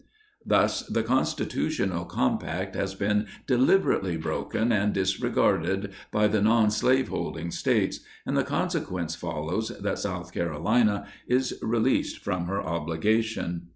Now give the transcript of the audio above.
Thus the constitutional compact has been delibe rately broken and disregarded by the non slaveholding States, and the consequence follows that South Carolina is released from her obligation.